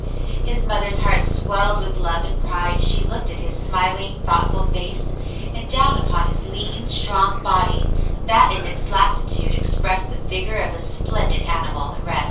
His mother's heart swelled with love and pride as she looked at his smiling, thoughtful face, and down upon his lean, strong body that in its lassitude expressed the vigor of a splen did animal at rest.